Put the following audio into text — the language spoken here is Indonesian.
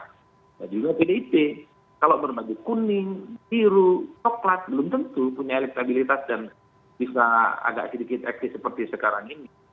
nah juga pdip kalau bernaga kuning biru coklat belum tentu punya elektabilitas dan bisa agak sedikit eksis seperti sekarang ini